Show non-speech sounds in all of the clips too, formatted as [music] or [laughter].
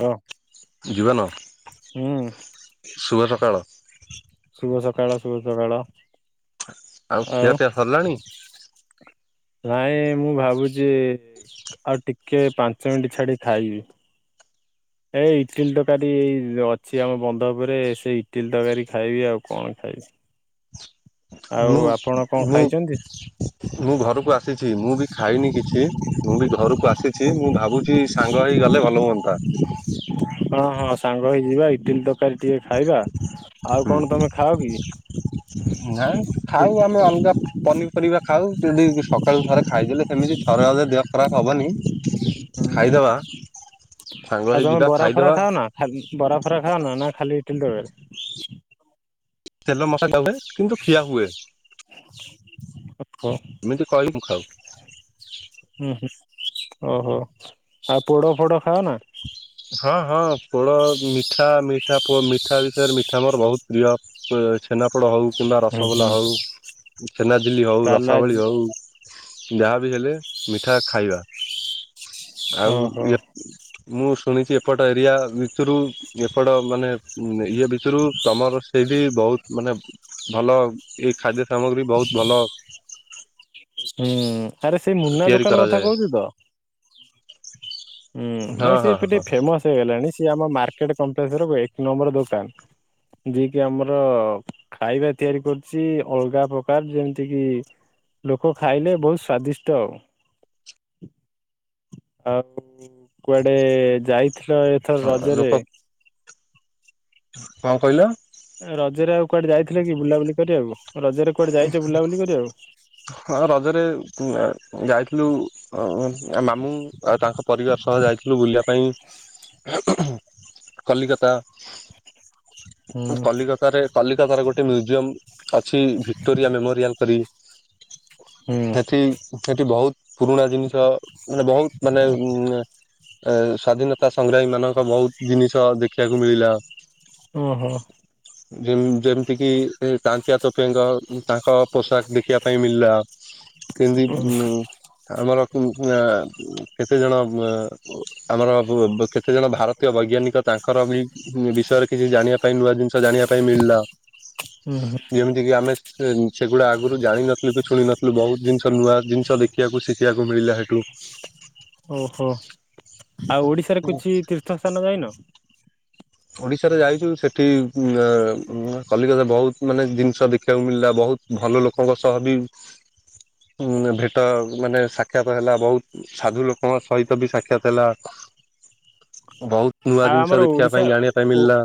ହଁ ଯିବାନ ହୁଁ। ଶୁଭ ସକାଳ। ଶୁଭ ସକାଳ ଶୁଭ ସକାଳ। ଆଉ ଖିଆପିଆ ସରିଲାଣି? ନାଇଁ ମୁଁ ଭାବୁଚି ଆଉ ଟିକେ ପାଞ୍ଚ ମିଣ୍ଟି ଛାଡି ଖାଇବି। ଏ ଇଟିଲି ତରକାରୀ ଅଛି ଆମ ବନ୍ଧ ଉପେରେ ସେଇ ଇଟିଲି ତରକାରୀ ଖାଇବି ଆଉ କଣ ଖାଇବି। ଆଉ ମୁଁ ଆପଣ କଣ ମୁଁ ଖାଇଛନ୍ତି? ମୁଁ ଘରୁକୁ ଆସିଛି ମୁଁ ବି ଖାଇନି କିଛି ମୁଁ ବି ଘରକୁ ଆସିଛି ମୁଁ ଭାବୁଚ୍ ଚି ସାଙ୍ଗ ହେଇ ଗଲେ ଭଲ ହୁଅନ୍ତା। ହଁ ହଁ ସାଙ୍ଗ ହେଇଯିବା ଇଟିଲି ତରକାରୀ ଟିକେ ଖାଇବା, ଆଉ କଣ ତମେ ଖାଅ କି? ନାଇଁ ଖାଉ ଆମେ ଅଲଗା ପନିପରିବା ଖାଉ ଯଦି ସକାଳୁ ଥରେ ଖାଇଦେଲେ ସେମିତି ଥରେ ଅଧେ ଦେହ ଖରାପ୍ ହବନି ଖାଇଦବା ସାଙ୍ଗ ଆଉ ହେଇ ତମେ ଯିବା ବରା ଫରା ଖାଇଦବା। ଖାଅ ନା ଖାଲି ବରା ଫରା ଖାଅନା ନା ଖାଲି ଇଟଲି ତରକାରୀ? ତେଲ [inaudible] କିନ୍ତୁ ଖିଆ ହୁଏ। ଓହୋ। ଏମିତି କହିବୁ ଖାଉ ଉଁ ହୁଁ ଓହୋ, ଆଉ ପୋଡ ଫୋଡ ଖାଅ ନା? ହଁ ହଁ ପୋଡ ମିଠା ମିଠା-ପୋ ମିଠା ବିଷୟରେ ମିଠା ମୋର ବହୁତ ପ୍ରିୟ। ପ୍-ଛେନାପୋଡ ହଉ କିମ୍ବା ହୁଁ ରସଗୋଲା ହୁଁ ହଉ ଛେନାଝିଲି ହଉ ତାହେଲେ ରସାବଳି ଆଜି ହଉ ଯାହାବିି ହେଲେ ମିଠା ଖାଇବା। ଆଉ ଓହୋ ୟା ମୁଁ ଶୁଣିଚି ଏପଟ ଏରିଆ ଭିତରୁ ଏପଟ ମାନେ ଇଏ ଭିତରୁ ତମର ସେଇ ବି ବହୁତ ମାନେ ଭଲ ଏଇ ଖାଦ୍ୟ ସାମଗ୍ରୀ ବହୁତ୍ ଭଲ ହୁଁ ଆରେ ସେଇ ମୁନା ତିଆରି ଦୋକାନ କଥା କରାଯାଏ। କହୁଚୁ ତ। ହୁଁ ହଁ ନାଇଁ ହଁ ସିଏଏବେ ହଁ ଟିକେ ଫେମସ ହେଇଗଲାଣି ସିଏ ଆମ ମାର୍କେଟ କପ୍ଲେକ୍ସ ର ଏକ ନମ୍ବର ଦୋକାନ। ଯିଏ କିି ଆମର ଖାଇବା ତିଆରି କରୁଚି ଅଲଗା ପ୍ରକାର ଯେମିତି କି ଲୋକ ଖାଇଲେ ବହୁତ ସ୍ଵାଦିଷ୍ଟ ଆଉ ଆଉ କୁଆଡେ ଯାଇଥିଲ ଏ ହଁ ଲୋକ କଣ କହିଲ? ରଜରେ ଆଉ କୁଆଡେ ଯାଇଥିଲେ କି ବୁଲାବୁଲି କରିବାକୁ ରଜରେ କୁଆଡେ ଯାଇଛ ବୁଲାବୁଲି କରିବାକୁ। ହଁ ରଜରେ ଯାଇଥିଲୁ ଅ ମାମୁଁ ଆଉ ତାଙ୍କ ପରିବାର ସହ ଯାଇଥିଲୁ ବୁଲିବାକୁ। ପାଇଁ କଲିକତା ହୁଁ କଲିକତାରେ କଲିକତାର ଗୋଟେ ମ୍ୟୁଜିୟମ, କି ଭିକ୍ଟୋରିଆ ମେମୋରିଆଲ କରି ହୁଁ ସେଠି ସେଠି ବହୁତ୍ ପୁରୁଣା ଜିନିଷ ମାନେ ବହୁତ୍ ମାନେ ଉ ଏ ସ୍ଵାଧୀନତା ସଂଗ୍ରାମୀ ମାନଙ୍କ ବହୁତ ଜିନିଷ ଦେଖିବାକୁ ମିଳିଲା। ଓ ହୋ। ଯେମ ଯେମିତିକି ସେ କାଞ୍ଚିଆ ତ ତାଙ୍କ ତାଙ୍କ ପୋଷାକ ଦେଖିବା ପାଇଁ ମିଳିଲା କେମିତି ଆମର କୁ କେତେ ଜଣ ଆମର ବ କେତେଜଣ ଭାରତୀୟ ବୈଜ୍ଞାନିକ ତାଙ୍କର ବି ବିଷୟରେ କିଛି ଜାଣିବା ପାଇଁ ନୂଆ ଜିନିଷ ଜାଣିବା ପାଇଁ ମିଳିଲା। ହୁଁ ହୁଁ। ଯେମିତିକି ଆମେ ସେଗୁଡ଼ା ଆଗରୁ ଜାଣିିନଥିଲୁ କି ଶୁଣିନଥିଲୁ ବହୁତ ଜିନିଷ ନୂଆ ଜିନିଷ ଦେଖ ଦେଖିବାକୁ ଶିଖିବାକୁ ମିଳିଲା ହେଟୁ। ଓ ହୋ ଆଉ ଓଡିଶାରେ କିଛି ତୀର୍ଥ ସ୍ଥାନ ଯାଇନ‌? ଓଡ଼ିଶାରେ ଯାଇଛୁ ସେଠି କଲିକତାରେ ବହୁତ୍ ମାନେ ଜିନିଷ ଦେଖିବାକୁ ମିଳିଲା ବହୁତ୍ ଭଲ ଲୋକଙ୍କ ସହ ବି ଉ ଭେଟ ମାନେ ସାକ୍ଷାତ ହେଲା ବହୁତ୍ ସାଧୁ ଲୋକଙ୍କ ସହିତ ବି ସାକ୍ଷାତ ହେଲା ବହୁତ୍ ନୂଆ ଜିନିଷ ଦେଖିବା ଆଚ୍ଛା ପାଇଁ ଜାଣିବା ପାଇଁ ଓ ମିଳିଲା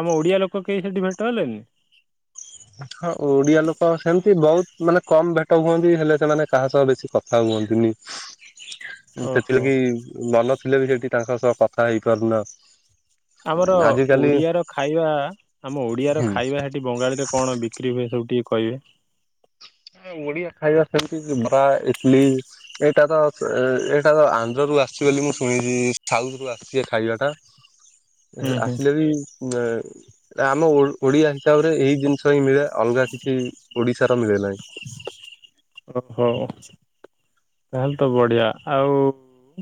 ଆମ ଓଡିଆ ଲୋକ କେହି ସେଠି ଭେଟ ହେଲେନି। ହଁ ଓଡିଆ ଲୋକ ସେମିତି ବହୁତ୍ ମାନେ କମ୍ ଭେଟ ହୁଅନ୍ତି ହେଲେ ସେମାନେ କାହା ସହ ବେଶି କଥା ହୁଅନ୍ତିନି। ଓହୋ। ସେଥିଲାଗି ଭଲ ଥିଲେ ବି ସେଠି ତାଙ୍କ ସହ କଥା ହେଇପାରୁନ। ଆମର ଓଡିଆର ଖାଇବା ଆମ ଓଡିଆର ହୁଁ ଖାଇବା ହେ ସେଠି ବଙ୍ଗାଳୀରେ କଣ ବିକ୍ରି ହୁଏ ସବୁ ଟିକେ କହିବେ। ହୁଁ ଓଡିଆ ଖାଇବା ସେମିତି ବ୍ରା ଇଟିଲି ଏ ଏଇଟା ତ ଏଇଟା ତ ଆନ୍ଧ୍ର ରୁ ଆସିଛି ବୋଲି ମୁଁ ଶୁଣିଛି ସାଉଥ ରୁ ଆସିଛି ଖାଇବା ଟା। ହୁଁ ହୁଁ। ଆସିଲେ ବି ଆମ ଓ ଓଡିଆ ହିସାବରେ ଏଇ ଜିନିଷ ହିଁ ମିଳେ। ଅଲଗା କିଛି ଓଡ଼ିଶାର ମିଳେ ନାହିଁ। ଓ ହୋ ତାହେଲେ ତ ବଢିଆ, ଆଉ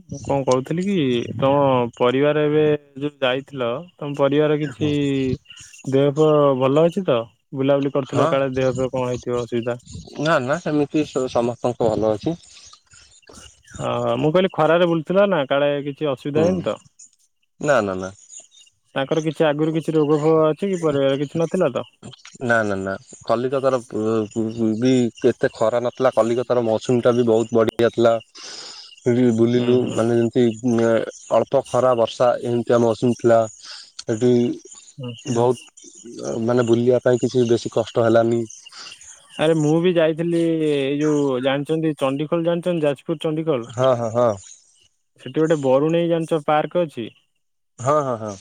ମୁଁ କଣ କହୁଥିଲି କି ତମ ପରିବାର ଏବେ ଯୋଉ ଯାଇଥିଲ, ତମ ପରିବାର କିଛି ଇ ଦେହ ଫେମ ଭଲ ଅଛି ତ, ବୁଲାବୁଲି ହଁ କରିଥିଲ କାଳେ ଦେହ ପା କଣ ହେଇଥିବ ଅସୁବିଧା? ନା ନା ସେମିତି ସ ସମସ୍ତଙ୍କୁ ଭଲ ଅଛି। ହଁ, ମୁଁ କହିଲି ଖରାରେ ବୁଲୁଥିଲ ନା, କାଳେ କି କିଛି ଅସୁବିଧା ହୁଁ ହେଇନି ତ, ନା ନା ନା ତାଙ୍କର କିଛି ଆଗରୁ କିଛି ରୋଗ ଫୋଗ ଅ ଛି ପରେ କିଛି ନଥିଲା ତ? ନା ନା ନା। କଲିକତାର ବ ବି ଏତେ ଖରା ନଥିଲା, କଲିକତାର ମୌସୁମୀଟା ବି ବହୁତ ବଢ଼ିଆ ଥିଲା। [unintelligible] ସେଠି ହୁଁ ବୁଲିଲୁ, ହୁଁ ମାନେ ଯେମିତି ଅଳ୍ ତ ଖରା ବର୍ଷା ଏମିତିଆ ମୌସୁମୀ ଥିଲା, ସେଠି ହୁଁ ହୁଁ। ବହୁତ୍ ମାନେ ବୁଲିବା ପାଇଁ କିଛି ବେଶୀ କଷ୍ଟ ହେଲାନି। ଆରେ ମୁଁ ବି ଯାଇଥିଲି ଏଇ ଯୋଉ ଜାଣିଚନ୍ତି, ଚଣ୍ଡିଖୋଲ ଜାଣିଚନ୍ତି, ଯାଜପ୍ ପୁର ଚଣ୍ଡିଖୋଲ, ହଁ ହଁ ହଁ ସେଠି ଗୋଟେ ବରୁଣେଇ ଜାଣିଚ ପାର୍କ ଅଛି ହଁ ହ ହ।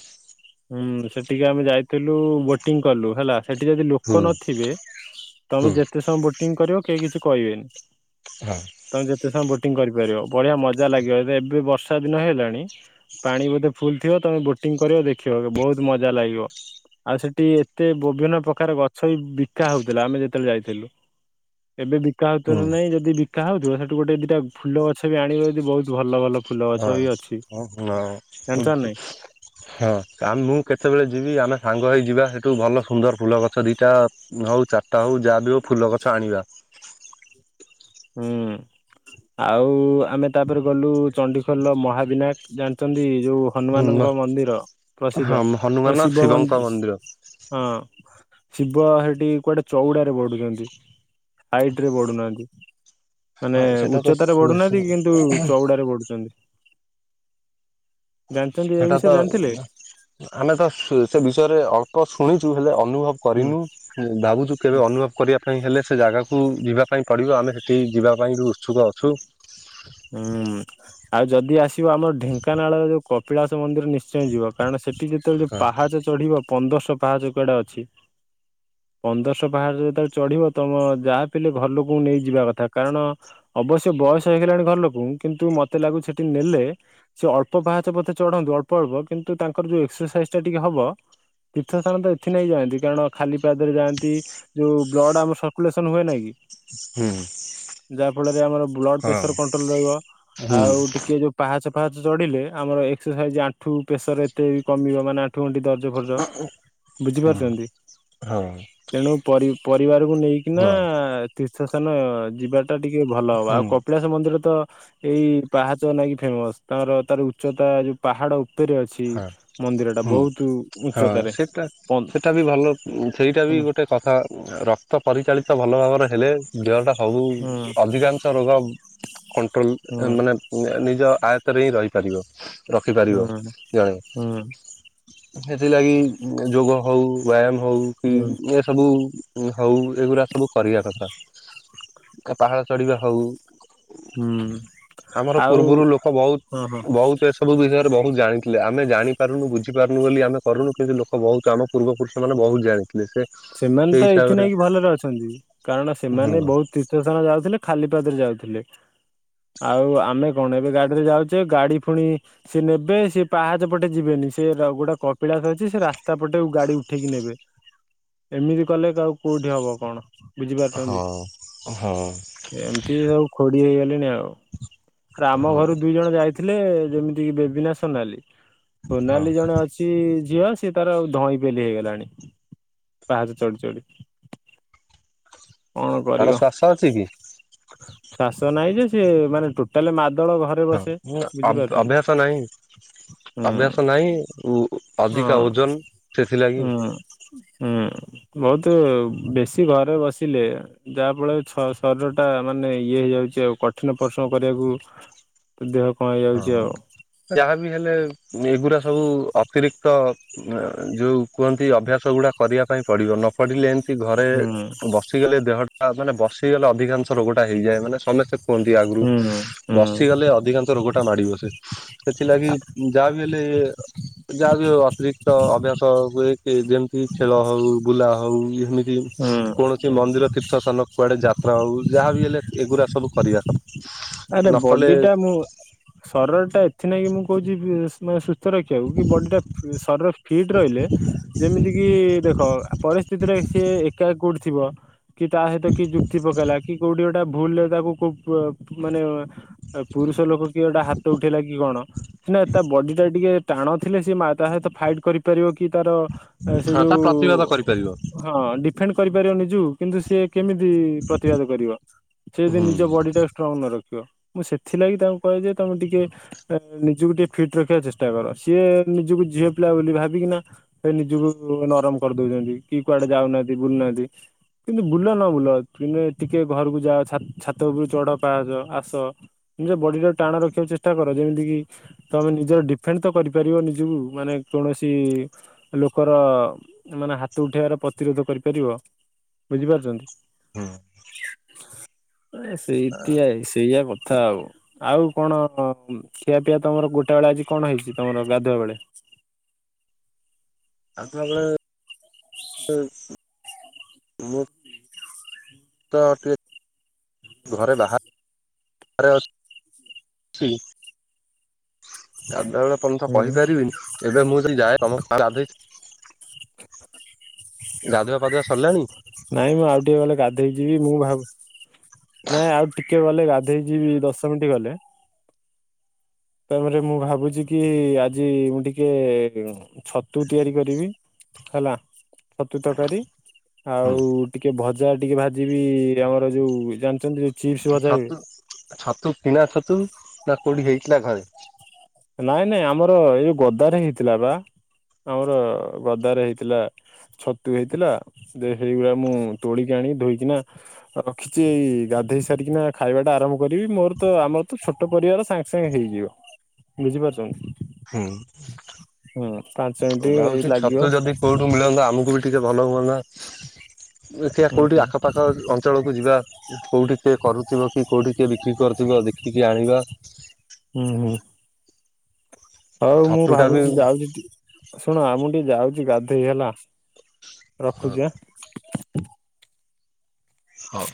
ହୁଁ ସେଠିକେ ଆମେ ଯାଇଥିଲୁ, ବୋଟିଂ କଲୁ ହେଲା, ସେଠି ଯଦି ହୁଁ ଲୋକ ନଥିବେ ତମେ ହୁଁ ଯେତେ ସମୟ ବୋଟିଂ କରିବ, କେହି କିଛି କହିବେନି। ହଁ ତମେ ଯେତେ ସମୟ ବୋଟିଂ କରିପାରିବ, ବଢିଆ ମଜା ଲାଗିବ, ଏ ଏବେ ବର୍ଷା ଦିନ ହେଇ ଗଲାଣି ପାଣି ବୋଧେ ଫୁଲ ଥିବ ତମେ ବୋଟିଂ କରିବ ଦେଖିବ, ବହୁତ ମଜା ଲାଗିବ। ଆଉ ସେଠି ଏତେ ବିଭିନ୍ନ ପ୍ରକାର ଗଛ ବି ବିକା ହଉଥିଲା, ଆମେ ଯେ ଯେତେବେଳେ ଯାଇଥିଲୁ, ଏବେ ବିକା ହଉଥିବନା ନାଇଁ, ଯଦି ବି ବିକାହଉଥିବ ସେଠୁ ଗୋଟେ ଦିଟା ଫୁଲ ଗଛ ବି ଆଣିବ, ଯଦି ବହୁତ୍ ଭଲ ଭଲ ଫୁଲ ଗଛ ବି ଅଛି, ହଁ ହଁ। ଜାଣିଚ ନା ନାଇଁ? ହଁ, ଆ ମୁଁ କେତେବେଳେ ଯିବି, ଆମେ ସାଙ୍ଗ ହେଇ ଯିବା, ସେଠୁ ଭଲ ସୁନ୍ଦର ଫୁଲ ଗଛ ଦିଟା ହଉ, ଚାରିଟା ହଉ, ଯାହା ବିି ହେଉ, ଫୁଲ ଗଛ ଆଣିବା। ହୁଁ, ଆଉ ଆମେ ତାପରେ ଗଲୁ ଚଣ୍ଡିଖୋଲ ମହାବିନାୟକ ଜାଣିଚନ୍ତି ଯୋଉ ହନୁମାନଙ୍କ ମନ୍ଦିର ହଁ ପ୍ରସିଦ୍ଧ ହନୁମାନ ଆଉ ଶିବ ଶିବଙ୍କ ମନ୍ଦି ମନ୍ଦିର। ହଁ, ଶିବ ହେଠି କୁଆଡେ ଚଉଡାରେ ବଢୁଛନ୍ତି? ହାଇଟ୍ ରେ ବଢୁନାହାନ୍ତି। ମାନେ ହଁ ସେଟା ତ ଉଚ୍ଚତାରେ ବଢୁନାହାନ୍ତି କିନ୍ତୁ ଚଉଡାରେ ବଢୁଚନ୍ତି। ସେଟା ତ, ବିଷୟରେ ଜାଣିଥିଲେ? ଆମେ ତ, ସେ ବିଷୟରେ ଅଳ୍ପ ଶୁଣିଚୁ, ହେଲେ ଅନୁଭବ ହୁଁ କରିନୁ, ଭାବୁଚୁ କେବେ ଅନୁଭବ କରିବା ପାଇଁ ହେଲେ ସେ ଜାଗାକୁ ଯିବା ପାଇଁ ପଡ଼ିବ, ଆମେ ସେଠିକା ଯିବା ପାଇଁ ବି ଉତ୍ସୁକ ଅଛୁ। ହୁଁ, ଆଉ ଯଦି ଆସିବ ଆମର ଢେଙ୍କାନାଳର ଯୋଉ କପିଳାସ ମନ୍ଦିର ନିଶ୍ ନିଶ୍ଚୟ ଯିବ, କାରଣ ସେଠି ଯେତେବେଳେ ହଁ ପାହାଚ ଚଢିବ ପନ୍ଦରଶହ ପାହାଚ କୁଆଡେ ଅଛି ପନ୍ଦରଶହ ପାହାଚ ଯେତେବେଳେ ଚଢିବ, ତମ ଯାହା ପିହେଲେ ଘରଲୋକକୁ ନେଇ ଯିବା କଥା, କାରଣ ଅବଶ୍ୟ ବୟସ ହେଇଗଲାଣି ଘର ଲୋକଙ୍କୁ କିନ୍ତୁ ମତେ ଲାଗୁଚି ସେଠିକି ନେଲେ ସେ ଅଳ୍ପ ପାହାଚ ପଛେ ଚଢନ୍ତୁ, ଅଳ୍ପ ଅଳ୍ପ କିନ୍ତୁ ତାଙ୍କର ଯୋଉ ଏକ୍ସରସାଇଜ୍ ଟା ଟିକେ ହବ ତୀର୍ଥସ୍ଥାନ ତ ଏଥି ନାଇଁ ଯାଆନ୍ତି, କାରଣ ଖାଲି ପାଦରେ ଯାଆନ୍ତି ଯୋଉ ବ୍ଲଡ୍ ଆମର ସରକୁଲେସନ୍ ହୁଏ ନାଇଁ କି ହୁଁ ଯାହା ଫଳରେ ଆମର ବ୍ଲଡ ପ୍ରେସର୍ କଣ୍ଟ୍ରୋଲ ରହିବ, ହୁଁ ଆଉ ଟିକେ ଯୋଉ ପାହାଚ ପାହାଚ ଚଢ଼ିଲେ, ଆମର ଏକ୍ସରସାଇଜ୍ ଆଣ୍ଠୁ ପ୍ରେସର୍ ଏତେ ବି କମିବ ମାନେ ଆଠୁ ଗଣ୍ଠି ଦର୍ ଖର୍ଜ ହଁ ବୁଝିପାରୁଛନ୍ତି? ହଁ ତେଣୁ ପରି ପରିବାରକୁ ନେଇକିନା ହୁଁ ତୀର୍ଥ ସ୍ଥାନ ଯିବା ଟିକେ ଭଲ ହବ ଆଉ କପିଳା ମନ୍ଦିର ତ ଏଇ ପାହାଚ ନାଇକି ଫେମସ ତାଙ୍କର ତାର ଉଚ୍ଚତା ଯୋଉ ପାହାଡ ଉପରେ ଅଛି ହଁ ମନ୍ଦିରଟା ବହୁତ ଉଚ୍ଚତାରେ। ପନ୍ ସେଇଟା ବି ଭଲ ସେଇଟା ବି ହୁଁ ଗୋଟେ କଥା ରକ୍ତ ପରିଚାଳିତ ଭଲ ଭାବରେ ହେଲେ ଦେହଟା ସବୁ ହୁଁ ଅଧିକାଂଶ ରୋଗ କଣ୍ଟ୍ରୋଲ୍ ହୁଁ ମାନେ ନିଜ ଆୟତରେ ହିଁ ରହିପାରିବ ରଖିପାରିବ ହୁଁ ଜଣେ। ହୁଁ ସେଥିଲାଗି ଯୋଗ ହଉ ବ୍ୟାୟାମ ହଉ କି ହୁଁ ଏ ସବୁ? ହଉ ଏଗୁୁରା ସବୁ କରିବା କଥା ପାହାଡ଼ ଚଢିବା ହଉ। ହୁଁ ଆମର ଆଉ ପୂର୍ବରୁ ଲୋକ ହଁ ହଁ ବହୁତ ବହୁତ ଏସବୁ ବିଷୟରେ ବହୁତ ଜାଣିଥି ଆମେ ଜାଣି ପାରୁନୁ ବୁଝିପାରୁନୁ ବୋଲି ଆମେ କରୁନୁ କିନ୍ତୁ ଲୋକ ବହୁତ ଆମ ପୂର୍ବ ପୁରୁଷ ମାନେ ବହୁତ ଜାଣିଥିଲେ ସେ ସେମାନେ ସେଇ ତ ଏଥି ହିସାବରେ ଲାଗିଭଲରେ ଅଛନ୍ତି କାରଣ ହୁଁ ସେମାନେ ବହୁତ ତୀର୍ଥ ସ୍ଥାନ ଯାଉଥିଲେ ଖାଲିପଦରେ ଯାଉଥିଲେ। ଆଉ ଆମେ କଣ ଏବେ ଗାଡିରେ ଯାଉଛେ ଗାଡି ଫୁଣି ସେ ନେବେ ସେ ପାହାଚ ପଟେ ଯିବେନି ସେ ଗୋଟେ କ ପିଲାସ ଅଛି ସେ ରାସ୍ତା ପଟେ ଗାଡି ଉଠେଇକି ନେବେ। ଏମିତି କଲେ ଆଉ କୋଉଠି ହବ କଣ ହଁ ବୁଝିପାରୁଛନ୍ତି। ହଁ ଏମିତି ସବୁ ଖୋଡି ହେଇଗଲିଣି ଆଉ। ଆମ ହଁ ଘରୁ ଦୁଇ ଜଣ ଯାଇଥିଲେ ଯେମିତି କିି ବେବିନା ସୋନାଲି। ହଁ ସୋନାଲି ଜଣେ ଅ ସି ଝିଅ ସିଏ ତାର ଧଇଁ ପେଲି ହେଇଗଲାଣି। ବାହାରୁ ଚଢି ଚଢି। କଣ ତାର କରିବ? ଶ୍ୱାସ ଅଛି କି? ଚାଷ ନାଇଁ ଯେ ସ ମାନେ ଟୋଟାଲି ମାଦଳ ଘର ହଁ ଅଭ୍ୟାସ ନାହିଁ ହୁଁ ଅଭ୍ୟାସ ନାହିଁ ଉ ଅଧିକା ହଁ ଓଜନ ସେଥିଲାଗି। ହୁଁ ହୁଁ ବହୁତ ବେଶୀ ଘରେ ବସିଲେ। ଯାହା ଫଳରେ ଶରୀରଟା ମାନେ ଇଏ ହେଇଯାଉଛି ଆଉ କଠିନ ପରିଶ୍ରମ କରିବାକୁ ତ ଦେହ କଣ ହେଇ ହଁ ଯାଉଛି ଆଉ? ଯାହାବି ହେଲେ ଏଗୁଡା ସବୁ ଅତିରିକ୍ତ ଯଉଁ କୁହନ୍ତି ଅଭ୍ୟାସ ଗୁଡ଼ା କରିବା ପାଇଁ ପଡ଼ିବ। ନ ପଢିଲେ ଏମିତି ଘରେ ହୁଁ ବସିଗଲେ ଦେହଟା ମାନେ ବସିଗଲେ ଅଧିକାଂଶ ରୋଗଟା ହେଇଯାଏ। ମାନେ ସମସ୍ତେ ସେ କୁହନ୍ତି ଆଗରୁ ହୁଁ ହୁଁ ବସିଗଲେ ଅଧିକାଂଶ ରୋଗଟା ମାଡିବସେ। ସେଥିଲାଗି ଯାହା ବିି ହେଲେ ଯାହାକୁ ଅତିରିକ୍ତ ଅଭ୍ୟାସ ହୁଏ ଯେମିତି ଖେଳ ହଉ ବୁଲା ହଉ ଏମିତି ହୁଁ କି କୌଣସି ମନ୍ଦିର ତୀର୍ଥସ୍ଥାନ କୁଆଡ଼େ ଯାତ୍ରା ହେଉ ଯାହା ବିି ହେଲେ ଏଗୁଡ଼ା ସବୁ କରିବା କ ଆରେ ବଡିଟା ମୁଁ ଶରୀର ଟା ଏଥି ନାଇଁ କି ମୁଁ କହୁଛି ରଖିବାକୁ କି ବଡି ଟା ଶରୀର ଫିଟ୍ ରହିଲେ ଯେମିତି କିି ଦେଖ ପରିସ୍ଥିତିରେ ସିଏ ଏକା କୋଡି ଥିବ କି ତା ସହିତ କି ଯୁକ୍ତି ପକେଇଲା କି କୋଉଠି ଗୋଟେ ଭୁଲରେ ତାକୁ କୋ ମାନେ ପୁରୁଷ ଲୋକ କି ଏଟା ହାତ ଉଠେଇଲା କି କଣ? ସନା ତା ବଡି ଟା ଟିକେ ଟାଣ ଥିଲେ ସେ ତା ସହିତ ଫାଇଟ କରିପାରିବ କି ତାର ଏ ସେ ହଁ ତା ପ୍ରତିବାଦ କରିପାରିବ ଯୋଉ ହଁ ଡିଫେଣ୍ଡ କରିପାରିବ ନିଜୁ କିନ୍ତୁ ସିଏ କେମିତି ପ୍ରତିବାଦ କରିବ। ସେ ଯଦି ହୁଁ ନିଜ ବଡି ଟାକୁ ଷ୍ଟ୍ରଙ୍ଗ ନ ରଖିବ ମୁଁ ସେଥିଲାଗି ତାଙ୍କୁ କହେ ଯେ ତମେ ଟିକେ ନିଜକୁ ଟିକେ ଫିଟ୍ ରଖିବାକୁ ଚେଷ୍ଟା କର ସିଏ ନିଜକୁ ଝିଅ ପିଲା ବୋଲି ଭାବିକିନା ସେ ନିଜକୁ ନରମ କରିଦଉଛନ୍ତି କି କୁଆଡେ ଯାଉନାହାନ୍ତି ବୁଲୁନାହାନ୍ତି। କିନ୍ତୁ ବୁଲ ନ ବୁଲ ତୁମେ ଟିକେ ଘରକୁ ଯାଅ ଛା ଛାତ ଉପରୁ ଚଢ। ପାହାଚ ଆସ ନିଜ ବଡି ଟାକୁ ଟାଣ ରଖିବାକୁ ଚେଷ୍ଟା କର ଯେମିତି କିି ତମେ ନିଜର ଡିଫେଣ୍ଡ ତ କରିପାରିବ ନିଜକୁ ମାନେ କୌଣସି ଲୋକର ମାନେ ହାତ ଉଠେଇବାର ପ୍ରତିରୋଧ କରିପାରିବ ବୁଝିପାରୁଛନ୍ତି। ହଁ। ଏ ସେଇଟିଆ ସେଇଆା କଥା ଆଉ। ଆଉ କଣ ଖିଆ ପିଆ ତମର ଗୋଟେ ବେଳେ ଆଜି କଣ ହେଇଛି ତମର ଗାଧୁଆ ବେଳେ। ଗଢ଼ୁଆବେଳେ ହେଇଛି ତ ଟିକେ ଘର ବାହାରେ ଅଛି ଗାଧୁଆ କଣ ତ କହିପାରିବିନି ଏବେ ମୁଁ ଯଦି ଯାଏ ତ [unintelligible] ଗାଧୁଆ ପାଧୁଆ ସରିଲାଣି। ନାଇଁ ମୁଁ ଆଉ ଟିକେ ଗଲେ ଗାଧେଇକି ଯିବି ମୁଁ ଭାବୁ ନାଇଁ ଆଉ ଟିକେ ଗଲେ ଗାଧୋଇ ଗାଧେଇ ଯିବି ଦଶ ମିନିଟ୍ ଗଲେ। ତାପରେ ମୁଁ ଭାବୁଛି କି ଆଜି ମୁଁ ଟିକେ ଛତୁ ତିଆରି କରିବି। ହେଲା ଛତୁ ତରକାରୀ। ଆଉ ଟିକେ ଭଜା ଟିକେ ଭାଜିିବି ଆମର ଯୋଉ ଜାଣିଛନ୍ତି ଯୋଉ ଚିପ୍ସ ଭଜା ହୁଏ। ଛତୁ ଛତୁ କିଣା ଛତୁ ନା କୋଉଠି ହେଇଥିଲା ଘରେ। ନାଇଁ ନାଇଁ ଆମର ଏଇ ଯୋଉ ଗଦାରେ ହେଇଥିଲା ବା ଆମର ଗଦାରେ ହେଇଥିଲା। ଛତୁ ହେଇଥିଲା ଦେ ସେଇଗୁରା ମୁଁ ତୋଳିକି ଆଣିକି ଧୋଇକିନା ରଖିଛି ଏଇ ଗାଧେଇ ସାରିକିନା ଖାଇବା ଟା ଆରମ୍ଭ କରିବି ମୋର ତ ଆମର ତ ଛୋଟ ଛୋଟ ପରିବାର ସାଙ୍ଗେ ସାଙ୍ଗେ ହେଇଯିବ। ବୁଝିପାରୁଛନ୍ତି। ହୁଁ ହୁଁ ପାଞ୍ଚ ମିନିଟ ଉଭା ଏଇ ଉଛି ଲାଗିବ ଛତୁ ଯଦି କେଉଁଠୁ ମିଳନ୍ତା ଆମକୁ ବି ଟିକେ ଭଲ ହୁଅନ୍ତା। ଦେଖିଆ ହୁଁ କୋଉଠି ହୁଁ ଆଖପାଖ ଅଞ୍ଚଳକୁ ଯିବା। କୋଉଠି କିଏ କରୁଥିବ କି କୋଉଠିିକଏ ବିକ୍ରି କରୁଥିବ ଦେଖ ଟିକେ ଆଣିବା। ହୁଁ ହୁଁ। ହଉ ମୁଁ ଛତୁଟା ବି ଭାବୁଛି ଯାଉଛି ଚୁଟ୍ ଶୁଣ ଆମଁ ଟିକେ ଯାଉଛି ଗାଧୋଇ ହେଲା। ରଖୁଛି ଆଁ। ହଉ।